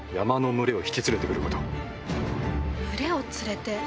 群れを連れて？